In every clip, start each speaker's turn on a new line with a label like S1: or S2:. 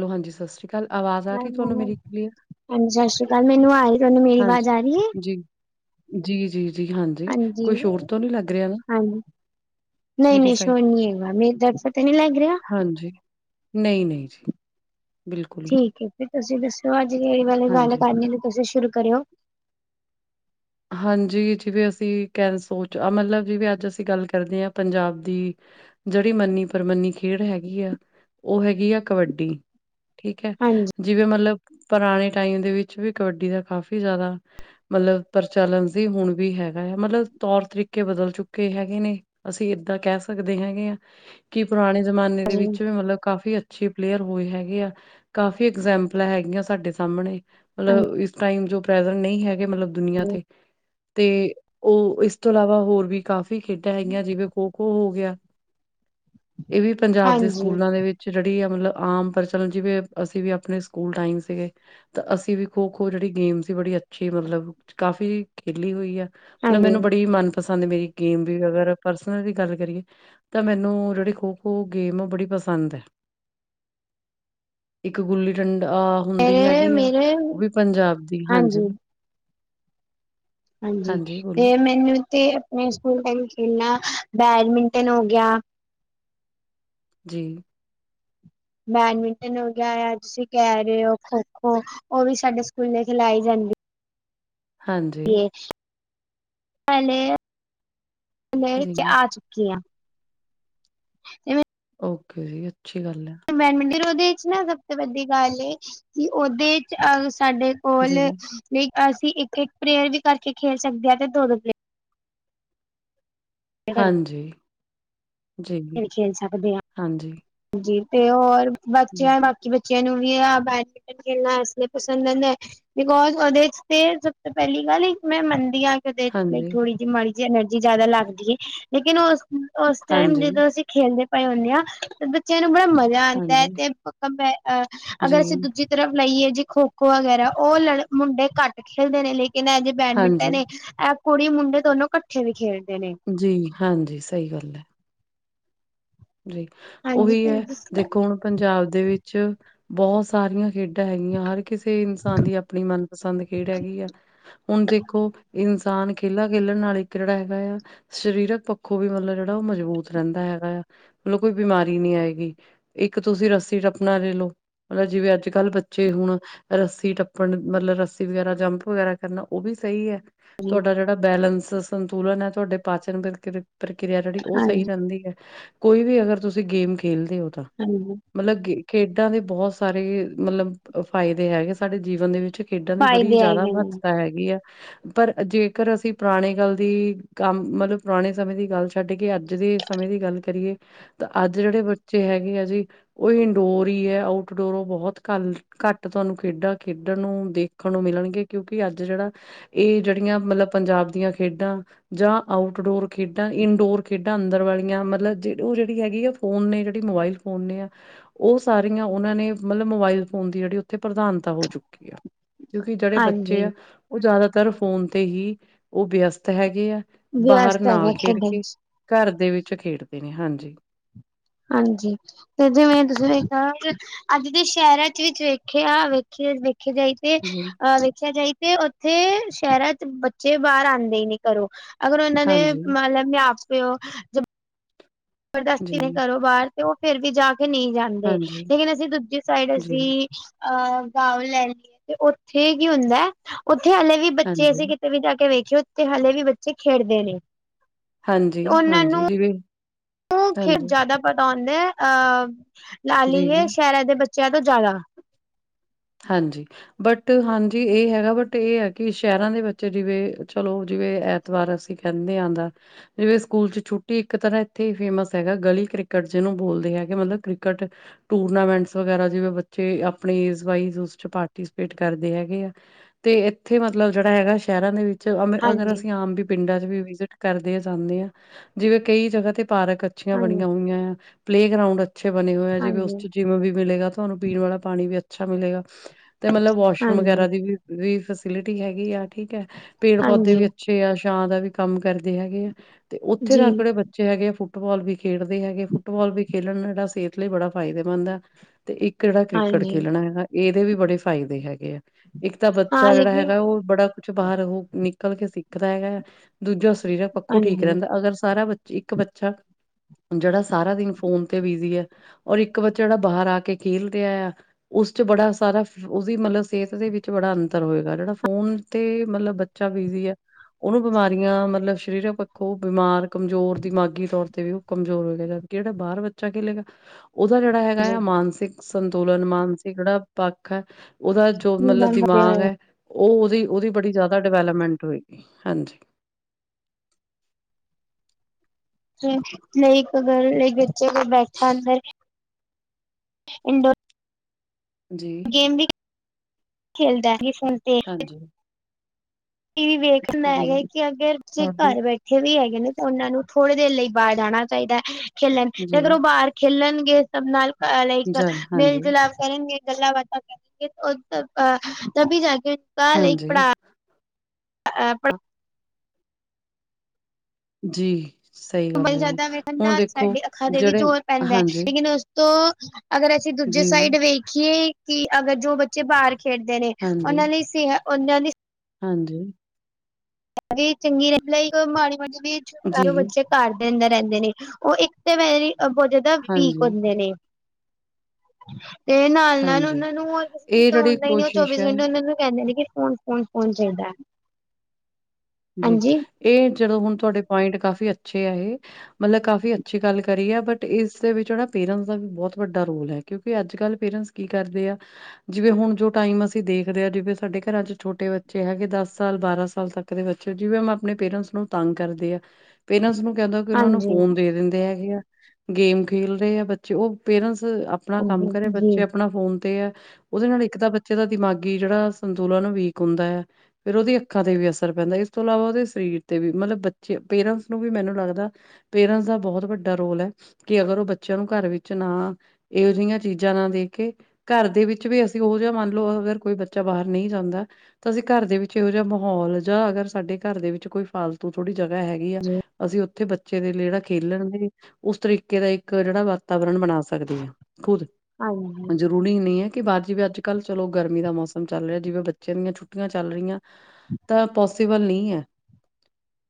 S1: Hello ਹਾਂਜੀ, ਸਾਸ ਸ਼੍ਰੀ ਅਕਾਲ ਆਵਾਜ਼ ਆ ਰੀ ਤੁਆਨੂੰ ਮੇਰੀ ਕਲੀਅਰ
S2: ਹਾਂਜੀ, ਸਤਿ ਸ੍ਰੀ ਅਕਾਲ, ਮੈਨੂੰ ਆ ਰੀ ਤਾਨੂੰ ਮੇਰੀ ਆਵਾਜ਼ ਆ ਰੀ ਏ।
S1: ਜੀ-ਜੀ-ਜੀ ਹਾਂਜੀ, ਕੋਈ ਸ਼ੋਰ ਤੋਂ ਨੀ ਲੱਗ ਰੇਆ ਨਾ? ਮੇਰੀ
S2: ਨਈ-ਨਈ
S1: ਸਾਈਡ
S2: ਸ਼ੋਰ ਨੀ ਹੈਗਾ। ਮੇਰੀ ਤਰਫ ਤੋਂ ਤਾਂ ਨੀ ਲੱਗ ਰੇਆ।
S1: ਹਾਂਜੀ, ਨਈ-ਨਈ ਜੀ। ਬਿਲਕੁਲ ਨੀ
S2: ਠੀਕ ਐ ਫਰ ਤੁਸੀਂ ਦੱਸਓ ਅੱਜ ਏ ਵਾਲੀ ਗੱਲ
S1: ਹਾਂਜੀ
S2: ਕਰਨੀ ਜੇ ਤੁਸੀਂ ਸ਼ੁਰੂ ਕਰਓ।
S1: ਹਾਂਜੀ, ਜਿਵੇਂ ਅਸੀਂ ਕੈ ਸੋਚ ਮਤਲਬ ਜਿਵੇਂ ਅੱਜ ਅਸੀਂ ਗੱਲ ਕਰਦੇ ਆਂ ਪੰਜਾਬ ਦੀ ਜੇੜੀ ਮੰਨੀ-ਪ੍ਰਮੰਨੀ ਖੇਡ ਹੈਗੀ ਐ ਓ ਹੈਗੀ ਐ ਕਬੱਡੀ। ਠੀਕ ਐ,
S2: ਹਾਂਜੀ
S1: ਜਿਵੇਂ ਮਤਲਬ ਪੁਰਾਣੇ ਟਾਈਮ ਦੇ ਵਿੱਚ ਵੀ ਕਬੱਡੀ ਦਾ ਕਾਫੀ ਜਾਦਾ ਮਤਲਬ- ਪ੍ਰਚਲਨ ਸੀ, ਹੁਣ ਵੀ ਹੈਗਾ ਹੈ ਮਤਲਬ ਤੌਰ ਤਰੀਕੇ ਬਦਲ ਚੁੱਕੇ ਹੈਗੇ ਨੇ। ਅਸੀਂ ਏਦਾਂ ਕੈ ਸਕਦੇ ਹੈਗੇ ਹਾਂ ਕਿ ਪੁਰਾਣੇ ਜ਼ਮਾਨੇ ਦੇ
S2: ਹਾਂਜੀ
S1: ਵਿੱਚ ਵੀ ਮਤਲਬ ਕਾਫ਼ੀ ਅੱਛੇ ਪਲੇਅਰ ਹੋਏ ਹੈਗੇ ਆ ਕਾਫੀ ਐਗਜੈਂਪਲਾਂ ਹੈਗੀਆਂ ਸਾਡੇ ਸਾਮਣੇ। ਮਤਲਬ, ਇਸ ਟਾਈਮ ਜੋ ਪ੍ਰੈਜੈਂਟ ਨਈ ਹੈਗੇ ਮਤਲਬ ਦੁਨੀਆਂ
S2: ਹਾਂਜੀ
S1: ਤੇ ਓ ਇਸ ਤੋਂ ਇਲਾਵਾ ਹੋਰ ਵੀ ਕਾਫੀ ਖੇਡਾਂ ਹੈਗੀਆਂ ਜਿਵੇਂ ਖੋ ਖੋ ਹੋ ਗਿਆ। ਏ ਵੀ ਪੰਜਾਬ ਦੇ
S2: ਹਾਂਜੀ
S1: ਸਕੂਲਾਂ ਦੇ ਵਿੱਚ- ਜੇੜੀ ਆ ਮਤਲਬ ਆਮ ਪ੍ਰਚਲਨ ਜਿਵੇਂ ਅਸੀਂ ਵੀ ਆਪਣੇ ਸਕੂਲ ਟਾਈਮ ਸੀਗੇ ਤਾਂ ਅਸੀਂ ਵੀ ਖੋ-ਖੋ ਜੇੜੀ ਗੇਮ ਸੀ ਬੜੀ ਅੱਛੀ ਮਤਲਬ ਕਾਫ਼ੀ ਖੇਲੀ ਹੋਈ ਐ ਮਤਲਬ
S2: ਹਾਂਜੀ,
S1: ਮੈਨੂੰ ਬੜੀ ਮਨ- ਪਸੰਦ ਮੇਰੀ ਗੇਮ ਵੀ ਅਗਰ ਪਰਸਨਲ ਵੀ ਗੱਲ ਕਰੀਏ ਤਾਂ ਮੈਨੂੰ ਜੇੜੀ ਖੋ-ਖੋ ਗੇਮ ਓ ਬੜੀ ਪਸੰਦ ਐ। ਇੱਕ ਗੁੱਲੀ-ਡੰਡਾ ਆ ਹੁੰਦੀ
S2: ਮੇਰੇ
S1: ਹੈਗੀ ਆ
S2: ਮੇਰੇ
S1: ਓ ਵੀ ਪੰਜਾਬ ਦੀ ਹਾਂਜੀ
S2: ਹਾਂਜੀ ਤੇ ਮੈਨੂੰ ਤੇ ਆਪਣੇ ਸਕੂਲ ਟਾਈਮ ਖੇਲਣਾ ਬੈਡਮਿੰਟਨ ਹੋ ਗਯਾ
S1: ਜੀ।
S2: ਬੈਡਮਿੰਟਨ ਹੋ ਗਿਆ ਯਾ ਤੁਸੀਂ ਕੈ ਰਏ ਹੋ ਖੋ-ਖੋ ਓ ਵੀ ਸਾਡੇ ਸਕੂਲੇ ਖਿਲਾਈ ਜਾਂਦੀ।
S1: ਹਾਂਜੀ
S2: ਦੀ ਏ ਪੈਲੇ ਪਲੇ ਇਚ
S1: ਜੀ
S2: ਆ ਚੁੱਕੀ ਆ। ਐਂਵੇਂ
S1: ਓਕੇ ਜੀ ਅੱਛੀ ਗੱਲ ਐ।
S2: ਬੈਡਮਿੰਟਨ ਓਦੇ ਚ ਨਾ ਸਭ ਤੋਂ ਵੱਡੀ ਗੱਲ ਏ ਕਿ ਓਦੇ ਚ ਅਹ ਸਾਡੇ ਕੋਲ
S1: ਜੀ
S2: ਅਸੀਂ ਇੱਕ-ਇੱਕ ਪਲੇਅਰ ਵੀ ਕਰਕੇ ਖੇਲ ਸਕਦੇ ਆਂ ਤੇ ਦੋ-ਦੋ ਪਲੇਅ ਪਲੇਅਰ ਕਰਕੇ
S1: ਹਾਂਜੀ-ਜੀ-ਹਾਂਜੀ।
S2: ਜੀ ਤੇ ਹੋਰ ਬੱਚਿਆਂ ਬਾਕੀ ਬੱਚਿਆਂ ਨੂੰ ਵੀ ਐ ਬ ਖੇਲਣਾ ਇਸ ਲਈ ਪਸੰਦ ਐ ਬਿਕੋਜ ਓਦੇ ਵਿਚ ਤੇ ਸਭ ਤੋਂ ਪੈਲੀ ਗੱਲ ਇੱਕ ਮੈਂ ਮੰਨਦੀ ਆਂ ਦੇਖਦੇ ਆ
S1: ਹਾਂਜੀ
S2: ਥੋੜੀ ਜੀ ਮਾੜੀ ਜੀ ਐਨਰਜੀ ਜਾਦਾ ਲੱਗ ਗਈ ਏ, ਲੇਕਿਨ ਓਸ-ਓਸ ਟਾਈਮ
S1: ਹਾਂਜੀ,
S2: ਜਦੋਂ ਅਸੀਂ ਖੇਲਦੇ ਪਏ ਹੁੰਣੇ ਆ ਤੇ ਬੱਚਿਆਂ ਨੂੰ ਬੜਾ ਮ ਜਾਂ ਆਂਦਾ
S1: ਹਾਂਜੀ,
S2: ਹੈ ਤੇ [unintelligible] ਅ
S1: ਜੀ,
S2: ਅਗਰ ਅਸੀਂ ਦੂਜੀੇ ਤਰਫ ਲਈਏ ਜੇ ਖੋ-ਖੋ ਵਗੈਰਾ ਓ ਲੜ ਮੁੰਡੇ ਕਟ ਖੇਲਦੇ ਨੇ ਲੇਕਿਨ ਐ ਜਿ
S1: ਹਾਂਜੀ,
S2: ਬੈਡਮਿੰਟਨ ਏ, ਐ ਕੁੜੀ, ਮੁੰਡੇ ਦੋਨੋ ਕੱਠੇ ਵੀ ਖੇਡਦੇ ਨੇ।
S1: ਜੀ ਹਾਂਜੀ, ਸਈ ਗੱਲ ਐ। ਜੀ, ਓ
S2: ਹਾਂਜੀ
S1: ਵੀ ਹੈ।
S2: ਹਾਂਜੀ
S1: ਦੇਖੋ ਹੁਣ ਪੰਜਾਬ ਦੇ ਵਿੱਚ ਬਹੁਤ ਸਾਰੀਆਂ ਖੇਡਾਂ ਹੈਗੀਆਂ। ਹਰ ਕਿਸੇ ਇਨਸਾਨ ਦੀ ਅਪਣੀ ਮਨਪਸੰਦ ਖੇਡ ਹੈਗੀ ਐ, ਹੁਣ ਦੇਖੋ ਇਨ ਸਾਨ ਖੇਲਾ -ਖੇਲਣ ਨਾਲ ਇੱਕ ਜੇੜਾ ਹੈਗਾ ਯਾ ਸ਼ਰੀਰਕ ਪੱਖੋਂ ਵੀ ਮਤਲਬ ਜੇੜਾ ਓ ਮਜ਼ਬੂਤ ਰੈਂਦਾ ਹੈਗਾ ਯਾ ਮਤਲਬ ਕੋਈ ਬਿਮਾਰੀ ਨੀ ਹੈਗੀ। ਇੱਕ ਤੁਸੀਂ ਰੱਸੀ ਟੱਪਣਾ ਲੇ ਲੋ ਮਤਲਬ ਜਿਵੇਂ ਅੱਜ ਕੱਲ੍ਹ ਬੱਚੇ ਹੁਣ ਰੱਸੀ ਟੱਪਣ ਮਤਲਬ ਰੱਸੀ ਵਗੈਰਾ, ਜੰਪ ਵਗੈਰਾ ਕਰਨਾ ਓ ਵੀ ਸਈ ਐ। ਤੁਆਡਾ ਜੇੜਾ ਬੈਲੈਂਸਸ ਸੰਤੁਲਨ ਐ ਤੁਆਡੇ ਪਾਚਨ ਪ੍ਰਕਰ- ਪ੍ਰਕਿਰਿਆ ਜੇੜੀ ਓ ਸਈ ਰੈਂਦੀ ਐ, ਕੋਈ ਵੀ ਅਗਰ ਤੁਸੀਂ ਗੇਮ ਖੇਲਦੇ ਓ ਤਾਂ।
S2: ਹਾਂਜੀ।
S1: ਮਲਬ ਗੇ-ਖੇਡਾਂ ਦੇ ਬਹੁਤ ਸਾਰੇ ਮਤਲਬ ਫਾਇਦੇ ਹੈਗੇ ਸਾਡੇ ਜੀਵਨ ਦੇ ਵਿੱਚ। ਖੇਡਾਂ ਦੀ ਬੜੀ ਈ
S2: ਫਾਇਦੇ
S1: ਜਾਦਾ
S2: ਹੈਗੇ ਨੇ
S1: ਮਹੱਤਤਾ ਹੈਗੀ ਐ। ਪਰ ਜੇਕਰ ਅਸੀਂ ਪੁਰਾਣੇ ਗੱਲ ਦੀ ਕੰਮ ਮਤਲਬ ਪੁਰਾਣੇ ਸਮੇਂ ਦੀ ਗੱਲ ਛੱਡ ਕੇ ਅੱਜ ਦੇ ਸਮੇਂ ਦੀ ਗੱਲ ਕਰੀਏ, ਤਾਂ ਅੱਜ ਜੇੜੇ ਬੱਚੇ ਹੈਗੇ ਆ ਜੀ ਓ ਇੰਡੋਰ ਈ ਐ, ਆਊਟਡੋਰ ਓ ਬਹੁਤ ਘਲ ਘੱਟ ਤੁਆਨੂੰ ਖੇਡਾਂ-ਖੇਡਣ ਨੂੰ, ਦੇਖਣ ਨੂੰ ਮਿਲਣਗੇ ਕਿਉਂਕਿ ਅੱਜ ਜੇੜਾ ਏ ਜੇੜੀਆਂ ਮਤਲਬ ਪੰਜਾਬ ਦੀਆਂ ਖੇਡਾਂ ਜਾਂ ਆਊਟਡੋਰ ਖੇਡਾਂ, ਇਨਡੋਰ ਖੇਡਾਂ ਅੰਦਰ ਵਾਲੀਆਂ ਮਤਲਬ ਜੇ ਓ ਜੇੜੀ ਹੈਗੀ ਐ, ਫੋਨ ਨੇ ਜੇੜੀ ਮੋਬਾਈਲ ਫੋਨ ਨੇ ਐ ਓ ਸਾਰੀਆਂ ਓਨਾਂ ਨੇ ਮਤਲਬ ਮੋਬਾਇਲ ਫੋਨ ਦੀ ਜੇੜੀ ਉੱਥੇ ਪ੍ਰਧਾਨਤਾ ਹੋ ਚੁੱਕੀ ਐ। ਕਿਉਂਕਿ ਜੇੜੇ
S2: ਹਾਂਜੀ
S1: ਬੱਚੇ ਐ ਓ ਜਾਦਾਤਰ ਫੋਨ ਤੇ ਹੀ ਓ ਵਿਅਸਤ ਹੈਗੇ ਐ। ਬਾਹਰ
S2: ਵਿਅਸਤ
S1: ਨਾ
S2: ਹੈਗਾ
S1: ਖੇਡ
S2: ਖੇਡਣ
S1: ਕੇ,
S2: ਚ
S1: ਘਰ ਦੇ ਵਿੱਚ ਖੇਡਦੇ ਨੇ ਹਾਂਜੀ।
S2: ਹਾਂਜੀ। ਤੇ ਜਿਵੇਂ ਤੁਸੀਂ ਵੇਖਿਆ ਨਾ ਕਿ ਅੱਜ ਦੇ ਸ਼ਹਿਰਾਂ ਚ ਵਿੱਚ ਵੇਖਿਆ, ਵੇਖੇ- ਵੇਖੇ ਜਾਈ ਤੇ
S1: ਜੀ
S2: ਅ ਵੇਖਿਆ ਜਾਏ ਤੇ ਓਥੇ ਸ਼ਹਿਰਾਂ ਚ ਬੱਚੇ ਬਾਰ ਆਂਦੇ ਈ ਨੀ ਘਰੋਂ ਤੇ ਅਗਰ ਓਨਾਂ ਦੇ
S1: ਹਾਂਜੀ
S2: ਮਲਬ ਮਾਂ-ਪਿਓ ਜ ਜ਼ਬਰਦਸਤੀ ਨੀ
S1: ਜੀ
S2: ਘਰੋ ਬਾਰ ਤੇ ਓ ਫੇਰ ਵੀ ਜਾ ਕੇ ਨਈ ਜਾ ਦੇ
S1: ਹਾਂਜੀ
S2: ਲੇਕਿਨ ਅਸੀਂ ਦੂਜੀ ਸਾਈਡ
S1: ਜੀ
S2: ਅਸੀਂ ਅ ਗਾਓ ਲੈਣ ਲਈ ਏ, ਤੇ ਓਥੇ ਕੀ ਹੁੰਦੈ ਉੱਥੇ ਹਲੇ ਵੀ ਬੱਚੇ
S1: ਹਾਂਜੀ
S2: ਅਸੀਂ ਕਿਤੇ ਵੀ ਜਾ ਕੇ ਵੇਖੀਏ ਉੱਥੇ ਹਲੇ ਵੀ ਬੱਚੇ ਖੇਡਦੇ ਨੇ।
S1: ਹਾਂਜੀ- ਹਾਂਜੀ ਜਿਵੇਂ
S2: ਓ ਖੇ
S1: ਹਾਂਜੀ
S2: ਜਾਦਾ ਪਤਾ ਹੁੰਦੈ, ਆ ਲਾ
S1: ਜੀ
S2: ਲਈਏ ਸ਼ਹਿਰਾਂ ਦੇ ਬੱਚਿਆਂ ਤੋਂ ਜਾਦਾ।
S1: ਹਾਂਜੀ। ਬਟ ਹਾਂਜੀ ਏ ਹੈਗਾ ਬਟ ਏ ਹੈ ਕਿ ਸ਼ਹਿਰਾਂ ਦੇ ਬੱਚੇ ਜਿਵੇਂ, ਚਲੋ ਜਿਵੇਂ ਅ ਪਰ ਅਸੀਂ ਕੈਂਦੇ ਆਂ ਦਾ ਜਿਵੇਂ ਸਕੂਲ ਚ ਛੁੱਟੀ ਇੱਕ ਤਰ੍ਹਾਂ ਇੱਥੇ ਈ ਫੇਮਸ ਹੈਗਾ ਗਲੀ ਕ੍ਰਿਕਟ ਜਿਨੂੰ ਬੋਲਦੇ ਹੈਗੇ ਮਤਲਬ ਕ੍ਰਿਕਟ ਟੂਰਨਾਮੈਂਟਸ ਵਗੈਰਾ ਜਿਵੇਂ ਬੱਚੇ ਅਪਣੇ ਏਜ ਵਾਈਜ ਉਸ ਚ ਪਾਰਟੀਸਪੇਟ ਕਰਦੇ ਹੈਗੇ ਆ। ਤੇ ਐਥੇ ਮਤਲਬ ਜੇੜਾ ਹੈਗਾ ਸ਼ਹਿਰਾਂ ਦੇ ਵਿੱਚ ਅ -ਅਗਰ
S2: ਹਾਂਜੀ
S1: ਅਸੀਂ ਆਮ ਵੀ ਪਿੰਡਾਂ ਚ ਵੀ ਵਿਜਿਟ ਕਰਦੇ ਆ, ਜਾਨੇ ਆ ਜਿਵੇਂ ਕਈ ਜਗ੍ਹਾ ਤੇ ਪਾਰਕ ਅੱਛੀਆਂ
S2: ਹਾਂਜੀ
S1: ਬਣੀਆਂ ਹੋਈਆਂ ਆਂ, ਪਲੇਗਰਾਉਂਡ ਅੱਛੇ ਬਨੇ ਹੋਏ ਆ ਜਿਵੇਂ
S2: ਹਾਂਜੀ
S1: ਉਸ ਚ ਜਿਮ ਵੀ ਮਿਲੇਗਾ, ਤੁਆਨੂੰ ਪੀਣ ਵਾਲਾ ਪਾਣੀ ਵੀ ਅੱਛਾ ਮਿਲੇਗਾ ਤੇ ਮਤਲਬ ਵਾਸ਼ਰੂਮ
S2: ਹਾਂਜੀ
S1: ਵਗੈਰਾ ਦੀ ਵੀ ਵੀ ਫੈਸਿਲਿਟੀ ਹੈਗੀ ਆ ਠੀਕ ਐ, ਪੇੜ- ਪੌਦੇ
S2: ਹਾਂਜੀ
S1: ਵੀ ਛੇ ਆ ਛਾਂ ਦਾ ਵੀ ਕੰਮ ਕਰਦੇ ਹੈਗੇ ਆ ਤੇ ਉੱਥੇ
S2: ਜੀ
S1: ਤਾਂ ਅਪਣੇ ਬੱਚੇ ਵਿੱਚ ਹੈਗੇ ਆ ਫੁੱਟਬਾਲ ਵੀ ਖੇਡਦੇ ਹੈਗੇ, ਫੁੱਟਬਾਲ ਵੀ ਖੇਲਣ ਜੇੜਾ ਸਿਹਤ ਲਈ ਬੜਾ ਫਾਇਦੇਮੰਦ ਆ। ਤੇ ਇੱਕ ਏੜਾ ਕ੍ਰਿਕੇਟ
S2: ਹਾਂਜੀ
S1: ਖੇਲਣਾ ਐਗਾ ਇਦੇ ਵੀ ਬੜੇ ਫਾਇਦੇ ਹੈਗੇ ਆ, ਇੱਕ ਤਾਂ ਬੱਚਾ
S2: ਹਾਂ
S1: ਜੜਾ
S2: ਲੇਕਿਨ
S1: ਹੈਗਾ ਓ ਬੜਾ ਕੁਛ ਬਾਹਰ ਓਹ ਨਿਕਲ ਕੇ ਸਿੱਖਦਾ ਐਗੈ, ਦੂਜਾ ਸਰੀਰਕ ਪੱਖੂ ਠੀਕ
S2: ਹਾਂਜੀ
S1: ਰੈਂਦੈ ਅਗਰ ਸਾਰਾ ਬੱਚ ਇੱਕ ਬੱਚਾ ਜੜਾ ਸਾਰਾ ਦਿਨ ਫੋਨ ਤੇ ਬਿਜ਼ੀ ਐ ਔਰ ਇੱਕ ਬੱਚਾ ਜੜਾ ਬਾਹਰ ਆ ਕੇ ਕੇਲ ਰੇਆ ਯਾ ਉਸ ਚ ਬੜਾ ਸਾਰਾ ਉਸਦੀ ਮਤਲਬ ਸੇਤ ਦੇ ਵਿੱਚ ਬੜਾ ਅੰਤਰ ਓਏਗਾ ਜੜਾ ਫੋਨ ਤੇ ਮਤਲਬ ਬ ਚਾ ਬੀਜ਼ੀ ਐ ਓਨੂੰ ਬਿਮਾਰੀਆਂ ਮਤਲਬ ਸ਼ਰੀਰਾਂ ਪੱਖੋਂ ਬੀਮਾਰ ਕਮਜ਼ੋਰ ਦਿਮਾਗੀ ਤੌਰ ਤੇ ਵੀ ਓ ਕਮਜ਼ੋਰ ਓ ਜੇਗਾ। ਕੇੜਾ ਬਾਰ ਬੱਚਾ ਕੇਲੇਗਾ ਓਦਾ ਜੜਾ ਹੈਗਾ
S2: ਜੀ
S1: ਯਾ ਮਾਨਸਿਕ ਸੰਤੁਲਨ ਮਾਨਸਿਕ ਜੜਾ ਪੱਖ ਹੈ ਓਦਾ ਜੋ ਮਤਲਬ ਦਿਮਾਗ ਐ ਓ ਓਦੀ-ਓਦੀ ਬੜੀ ਜਾਦਾ ਡਵੈਲਮੈਂਟ ਓਏਗੀ, ਹਾਂਜੀ।
S2: ਲਾਈਕ ਅਗਰ ਲਾਈ ਗੱਚੇ ਕੋ ਬੈਠਾ ਅਨਦਰ, ਇੰਡੋਰ
S1: ਜੀ।
S2: ਗੇਮ ਵੀ, ਖੇਲਦੈ ਫੋਨ ਤੇ
S1: ਹਾਂਜੀ
S2: ਵੀ ਵੇਖਨੈ
S1: ਜੀ
S2: ਐਗੈ ਕਿ ਅਗਰ ਤੁਸੀ
S1: ਹਾਂਜੀ
S2: ਘਾੱਰ ਬੈ ਠੇ ਵੀ ਐਗੇ ਨੇ ਤੇ ਓਨਾਂ ਨੂੰ ਥੋੜੇ ਦੇਰ ਲਈ ਬਾਰ ਜਾਣਾ ਚਾਈਦੈ ਖੇਲਨ ਤੇ
S1: ਜੀ
S2: ਅਗਰ ਓ ਬਾਰ ਖੇਲਨਗੇ ਸੱਬ ਨਾਲ ਲਾਈਕ
S1: ਜ
S2: ਮੇਲ
S1: ਹਾਂਜੀ
S2: ਜੁਲਾਪ ਕਰਨਗੇ ਗੱਲਾਂ ਬਾਤਾਂ ਕਰਨਗੇ ਤਬੀ ਜਾ ਕੇ ਕੇ [unintelligible]
S1: ਹਾਂਜੀ,
S2: ਪੜਾ [inaudible]
S1: ਜੀ। ਸਹੀ
S2: ਬਲ
S1: ਗੱਲ ਹੈ ਜੀ,
S2: ਜਾਦਾ ਵੇਖਨ
S1: ਹੁਣ
S2: ਨਾਲ
S1: ਦੇਖੋ
S2: ਸਾਡੀ ਅੱਖਾਂ ਦੇ ਵੀ
S1: ਜਿਹੜੇ
S2: ਜੋਰ ਪੈਂਦੈ
S1: ਹਾਂਜੀ,
S2: ਲੇਕਿਨ ਓਸ ਤੋ ਅਗਰ ਅਸੀ
S1: ਜੀ,
S2: ਦੂਜੇ ਸਾਈਡ ਵੇਖੀਏ ਕਿ ਅਗਰ ਜੋ ਬੱਚੇ ਬਾਰ ਖੇਡਦੇ ਨੇ
S1: ਹਾਂਜੀ,
S2: ਓਨਾ ਲਈ ਸੇ ਓਨਾ ਦੀ
S1: ਹਾਂਜੀ।
S2: [unintelligible] ਸਾਰੇ
S1: ਜੀ,
S2: ਬੱਚੇ ਘਾੱਰ ਦੇ ਅੰਦਰ ਰੈਂਦੇ ਨੇ ਓ ਇੱਕ ਤੇ ਵੈਰੀ ਬੋਤ ਜਾਦਾ ਵੀਕ
S1: ਹਾਂਜੀ,
S2: ਓਂਦੇ ਨੇ ਤੇ ਨਾਲ-ਨਾਲ
S1: ਹਾਂਜੀ,
S2: ਓਨਾ ਨੂੰ ਕਿਸੇ ਚੀਜ
S1: ਇਹ
S2: ਦਾ
S1: ਜਿਹੜੀ
S2: ਆਉਂਦਾ ਈ ਨੀ ਓ
S1: ਕੋਸ਼ਿਸ਼
S2: ਚੌਵੀਸ
S1: ਹੈ
S2: ਘੰਟੇ ਓਨਾ ਨੂੰ ਕੈਂਦੇ ਨੇ ਕਿ ਫੋਨ ਕੌਨ- ਕੌਨ ਚਾਈਦੈ।
S1: ਜੀ ਐ ਜਦੋਂ ਹੁਨ ਤੁਹਾਡੇ ਪੁਆਇਂਟ ਕਾਫੀ ਅੱਛੇ ਆ ਇਹ ਮਤਲਬ ਕਾਫੀ ਅੱਛੀ ਗਾੱਲ ਕਰੀ ਐ ਬਟ ਟ ਇਸ ਦੇ ਵਿੱਚ ਪੇਰੈਂਟਸ ਦਾ ਵੀ ਬੋਤ ਵੱਡਾ ਰੋਲ ਐ ਕਿਯੋਕਿ ਆੱਜ-ਕਾੱਲ ਪੇਰੈਂਟਸ ਕੀ ਕਰਦੇ ਆ ਜਿਵੇਂ ਹੋਨ ਜੋ ਟਾਈਮ ਅਸੀ ਦੇਖਦੇ ਹਾਂ ਜਿਵੇ ਸਾਡੇ ਘਰਾਂ ਚ ਛੋਟੇ ਬੱਚੇ ਹੈਗੇ ਦਾੱਸ ਸਾਲ ਬਾਰਾਂ ਸਾਲ ਤੱਕ ਕਦੇ ਬੱਚੇ ਜਿਵੇ ਅਮ ਅਪਨੇ ਪੇਰੈਂਟਸ ਨੂੰ ਤੰਗ ਕਰਦੇ ਆ ਪੇਰੇਂਸ ਨੂੰ ਕੈਦੋ ਕਿ ਉਨਾ ਨੂੰ
S2: ਹਾਂਜੀ
S1: ਫੋਨ ਦੇ ਦੇਂਦੇ ਹੈਗੇ ਆ ਗੇਮ ਖੇਲ ਰਏ ਆ ਬੱਚੇ ਓ ਪੇਰੇਂਸ ਅਪਨਾ ਕਾੱਮ
S2: ਹਾਂਜੀ
S1: ਕਰੇ
S2: ਜੀ
S1: ਬੱਚੇ ਆਪਣਾ ਫੋਨ ਤੇ ਐ, ਓਦੇ ਨਾਲ ਇੱਕ ਤਾਂ ਬੱਚੇ ਦਾ ਦਿਮਾਗੀ ਜੜਾ ਸੰਤੁਲਨ ਓ ਵੀਕ ਓਂਦਾ ਯੈ। ਫੇਰ ਓਦੀ ਅੱਖਾਂ ਤੇ ਵੀ ਅਸਰ ਪੈਂਦਾ ਇਸ ਤੋਂ ਇਲਾਵਾ ਓਦੇ ਸਰੀਰ ਤੇ ਵੀ ਮਤਲਬ ਬੱਚੇ ਪੇਰੇਂਸ ਨੂੰ ਵੀ ਮੈਨੂੰ ਲੱਗਦਾ ਪੇਰੇਂਸ ਦਾ ਬੋਤ ਵੱਡਾ ਰੋਲ ਐ ਕਿ ਅਗਰ ਓ ਬੱਚੇਆਂ ਨੂੰ ਘਾੱਰ ਵਿੱਚ ਨਾ ਏਯੋ ਜਿਈਆਂ ਚੀਜਾ ਨਾ ਦੇਕੇ ਘਾੱਰ ਦੇ ਵਿੱਚ ਵੀ ਅਸੀ ਓ ਜਯਾ ਮਾਨ ਲੋ ਅਗਰ ਕੋਈ ਬੱਚਾ ਬਾਹਰ ਨਈ ਜਾਂਦਾ ਤਾਂ ਅਸੀ ਘਾੱਰ ਦੇ ਵਿੱਚ ਇਹੋ ਜਯਾ ਮਾਹੌਲ ਜਾਂ ਅਗਰ ਸਾਡੇ ਘਾੱਰ ਦੇ ਵਿੱਚ ਕੋਈ ਫਾਲਤੂ ਥੋੜ੍ਹੀ ਜਗਾ ਹੈਗੀ ਆ ਅਸੀ ਓਥੇ ਬੱਚੇ ਦੇ ਲੇੜਾ ਖੇਲਣ ਦੀ, ਉਸ ਤਰੀਕੇ ਦਾ ਇੱਕ ਜੜਾ ਵਾਤਾਵਰਨ ਬਣਾ ਸਕਦੇ ਆ ਖੁਦ
S2: ਹਾਂਜੀ।
S1: ਜ਼ਰੂਰੀ ਨਈ ਆ ਕਿ ਬਾਦ ਜਿਵੇ ਆੱਜ-ਕਾੱਲ ਚਲੋ ਗਰਮੀ ਦਾ ਮੌਸਮ ਚੱਲ ਰੇਐ ਜਿਵੇਂ ਬੱਚੇਆਂ ਦੀਆਂ ਛੁੱਟੀਆਂ ਚੱਲ ਰਈਆਂ ਤਾਂ ਪੋਸੀਬਲ ਨੀ ਐ।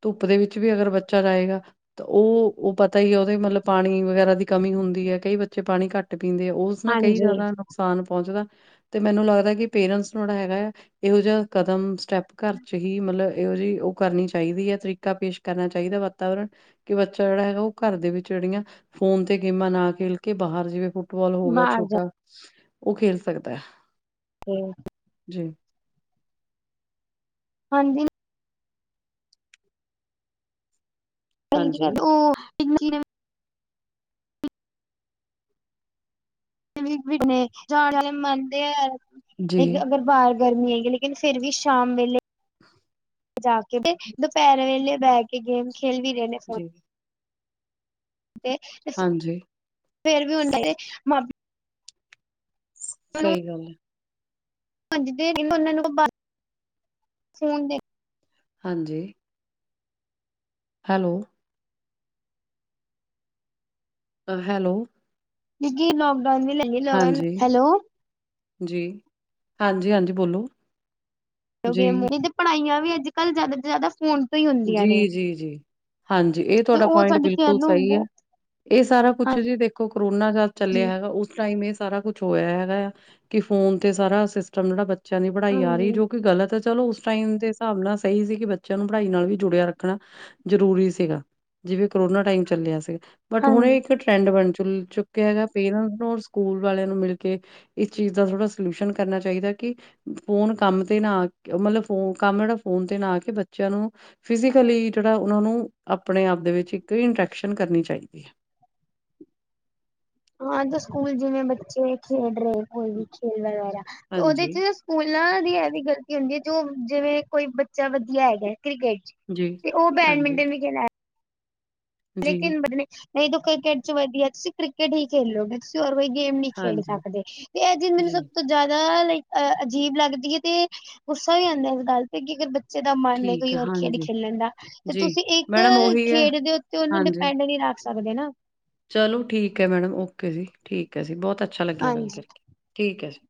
S1: ਧੁੱਪ ਦੇ ਵਿੱਚ ਵੀ ਅਗਰ ਬੱਚਾ ਰਏਗਾ ਤ ਓ, ਓ ਪਤਾ ਈ ਐ ਓਦੇ ਮਤਲਬ ਪਾਣੀ ਵਗੈਰਾ ਦੀ ਕਮੀ ਹੁੰਦੀ ਐ ਕਈ ਬੱਚੇ ਪਾਨੀ ਘੱਟ ਪੀਂਦੇ ਆ ਓ ਓਸ ਨਾ ਕਈ
S2: ਹਾਂਜੀ
S1: ਜ਼ਿਆਦਾ ਓਨੂੰ ਨੁਕਸਾਨ ਪੌਂਚਦੈ ਤੇ ਮੈਨੂੰ ਲੱਗਦੈ ਕਿ ਪੇਰੈਂਟਸ ਨੂੰ ਐੜਾ ਹੈਗੈ ਆ ਇਹੋ ਜਿਆ ਕਦਮ ਸਟੈਪ ਘਰ 'ਚ ਹੀ ਮਤਲਬ ਏਹੋ ਜੀ ਓ ਕਰਨੀ ਚਾਈਦੀ ਐ, ਤਰੀਕਾ ਪੇਸ਼ ਕਰਨਾ ਚਾਈਦੈ ਵਾਤਾਵਰਨ ਕਿ ਬੱਚਾ ਜੇੜਾ ਹੈਗਾ ਓ ਘਰ ਦੇ ਵਿੱਚ ਜੜੀਆਂ ਫੋਨ ਤੇ ਗੇਮਾਂ ਨਾ ਖੇਲ ਕੇ ਬਾਹਰ ਜਿਵੇਂ ਫੁੱਟਬਾਲ ਹੋ ਗਿਆ
S2: ਬਾਹਰ ਜਾ
S1: ਛੋਟਾ, ਓ ਖੇਲ ਸਕਦੈ।
S2: ਹੂੰ।
S1: ਜੀ।
S2: ਹਾਂਜੀ। ਭੈਨਜੀ
S1: ਹਾਂਜੀ,
S2: ਘਰ ਦੂਰ [unintelligible] ਲਿਕਵਿਡ ਮੇਂ [unintelligible] ਮਨਦੇ ਐ,
S1: ਜੀ,
S2: ਦੇਖ ਅਗਰ ਬਾਹਰ ਗਰਮੀ ਆਏਗੀ ਲੇਕਿਨ ਫੇਰ ਵੀ ਸ਼ਾਮ ਵੇਲੇ
S1: [unintelligible]
S2: ਜਾ ਕੇ ਤੇ ਦੁਪੈਰ ਵੇਲੇ ਬੈ ਕੇ ਗੇਮਸ ਖੇਲ ਵੀ ਰੇ ਨੇ ਫੋਨ
S1: ਜੀ।
S2: [unintelligible]
S1: ਹਾਂਜੀ।
S2: ਫੇਰ ਵੀ ਹੂਨ ਦਿੱਤੇ ਭਾਬੀ
S1: ਸਈ ਗੱਲ ਐ।
S2: ਅੱਜ ਦੇ ਏਨਾਂ ਏਨਾਂ ਨੂੰ ਬਾਰ, ਫੋਨ ਦੇ
S1: ਹਾਂਜੀ। ਹੈਲੋ। ਅ ਹੈਲੋ।
S2: ਜੀ ਲੋਕਡਾਊਨ ਵੀ ਲੱਲ ਲਿਐ
S1: ਹਾਂਜੀ। ਜੀ। ਹਾਂਜੀ-ਹਾਂਜੀ, ਬੋਲੋ।
S2: ਹੋ
S1: ਜੀ,
S2: ਗਿਐਂ [unintelligible] ਪੜਾਈਆਂ ਵੀ ਅੱਜ ਕੱਲ ਜ਼ਿਆਦਾ ਤੋਂ ਜ਼ਿਆਦਾ ਫੋਨ ਤੋਂ ਹੀ ਹੁੰਦੀਆਂ ਨੇ
S1: ਜੀ-ਜੀ-ਜੀ ਹਾਂਜੀ ਏ
S2: ਤੇ
S1: ਤੁਆਡਾ
S2: ਉਹ
S1: ਪੁਆਇੰਟ
S2: ਸਾਡੀ ਸਿਹਤ
S1: ਬਿਲਕੁਲ
S2: ਨੂੰ
S1: ਸਈ ਏ।
S2: ਬਹੁ
S1: ਏ ਸਾਰਾ ਕੁਛ ਜੀ
S2: ਹਾਂਜੀ
S1: ਦੇਖੋ ਕਰੋਨਾ ਜਾ ਚੱਲਿਆ ਹੈਗਾ ਓਸ ਟਾਈਮ ਏ ਸਾਰਾ ਕੁ ਛ ਹੋਇਆ ਹੈਗਾ ਏਆ ਕਿ ਫੋਨ ਤੇ ਸਾਰਾ ਸਿਸਟਮ ਜੜਾ ਬੱਚਿਆਂ ਦੀ ਪੜਾਈ ਆ ਰੀ ਏ
S2: ਹਾਂਜੀ
S1: ਜੋ ਕਿ ਗਲਤ ਏ ਚਲੋ ਓਸ ਟਾਈਮ ਦੇ ਹਿਸਾਬ ਨਾਲ ਸਈ ਸੀ ਕਿ ਬੱਚਿਆਂ ਨੂੰ ਪੜਾਈ ਨਾਲ ਵੀ ਜੁੜਿਆ ਰੱਖਣਾ ਜਰੂਰੀ ਸੀਗਾ। ਜਿਵੇਂ ਕਰੋਨਾ ਟਾਈਮ ਚੱਲਿਆ ਸੀਗਾ। ਬਟ ਹੁਣ
S2: ਹਾਂਜੀ
S1: ਏ ਇੱਕ ਟ੍ਰੈਂ ਡ ਬਣ ਚੁਲ ਚੁੱਕਿਆ ਹੈਗਾ ਪੇਰੈਂਟ ਨੂੰ ਔਰ ਸਕੂਲ ਵਾਲਿਆਂ ਨੂੰ ਮਿਲ ਕੇ ਇਸ ਚੀਜ ਦਾ ਥੋੜਾ ਸਲਿਊਸ਼ਨ ਕਰਨਾ ਚਾਈਦੈ ਕਿ ਫੋਨ ਕੰਮ ਤੇ ਨਾ ਆ ਕੇ ਮਤਲਬ ਫੋ ਕੰਮ ਜੜਾ ਫੋਨ ਤੇ ਨਾ ਆ ਕੇ ਬੱ ਆਂ ਨੂੰ ਫਿਜ਼ੀਕਲੀ ਜੜਾ ਓਨਾਂ ਨੂੰ ਆਪਣੇ ਆਪ ਦੇ ਵਿੱਚ ਇੱਕ ਇੰਟ੍ਰੈਕਸ਼ਨ ਕਰਨੀ ਚਾਈਦੀ ਐ।
S2: ਹਾਂ ਤੇ ਸਕੂਲ ਜਿਵੇਂ ਬੱਚੇ ਖੇਡ ਰਏ ਕੋਈ ਵੀ ਖੇਲ ਵਗੈਰਾ ਤੇ ਉਦੇ
S1: ਹਾਂਜੀ,
S2: 'ਚ ਸਕੂਲਾਂ ਦੀ ਐ ਵੀ ਗਲਤੀ ਹੁੰਦੀ ਏ ਜੋ ਜਿਵੇਂ ਕੋਈ ਬੱਚਾ ਵਧੀਆ ਹੈਗੈ ਕ੍ਰਿਕਟ 'ਚ
S1: ਜੀ,
S2: ਤੇ ਓ
S1: ਹਾਂਜੀ,
S2: ਬੈਡਮਿੰਟਨ ਵੀ ਖੇਲਾ ਰੈਅ।
S1: ਜੀ,
S2: ਲੇਕਿਨ ਬ ਨੇ ਨਈ ਤੂੰ ਕ੍ਰਿਕਟ 'ਚ ਵਧੀਐ ਤੁਸੀ ਕ੍ਰਿਕਟ ਹੀ ਖੇਲੋਗੇ। ਤੁਸੀ ਹੋਰ ਕੋਈ ਗੇਮ ਨੀ ਖੇਡ
S1: ਹਾਂਜੀ,
S2: ਸਕਦੇ ਤੇ ਐ ਚੀਜ ਮੇਨੂੰ
S1: ਜੀ,
S2: ਸਭ ਤੋਂ ਜਿਆਦਾ ਲਾਈਕ ਅ ਅਜੀਬ ਲੱਗਦੀ ਏ ਤੇ ਗੁੱਸਾ ਵੀ ਆਂਦੈ ਇਸ ਗੱਲ ਤੇ ਕਿ ਅਗਰ ਬੱ ਚੇ ਦਾ ਮਨ ਐ
S1: ਠੀਕ
S2: ਕੋਈ
S1: ਹੈ,
S2: ਔਰ ਖੇਡ
S1: ਹਾਂਜੀ,
S2: ਖੇਲਣ ਦਾ ਤੇ
S1: ਜੀ,
S2: ਤੁਸੀ ਇੱਕ
S1: ਮੈਡਮ ਉਹੀ ਹੈ,
S2: ਖੇਡ ਦੇ ਉੱਤੇ ਓਨੂੰ
S1: ਹਾਂਜੀ,
S2: ਡਿਪੈਂਡ ਤਾਂ ਨੀ ਰੱਖ ਸਕਦੇ ਨਾ
S1: ਚਲੋ, ਠੀਕ ਐ ਮੈਡਮ। ਓਕੇ ਜੀ। ਠੀਕ ਐ ਜੀ। ਬੋਤ ਅੱਛਾ ਲੱਗਿਆ ਗੱਲ
S2: ਹਾਂਜੀ।
S1: ਕਰਕੇ, ਠੀਕ ਐ ਜੀ।